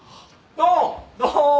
どうも！